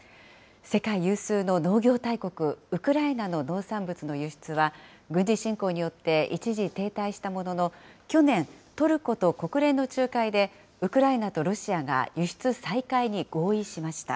世界有数の農業大国、ウクライナの農産物の輸出は、軍事侵攻によって一時停滞したものの、去年、トルコと国連の仲介でウクライナとロシアが輸出再開に合意しまし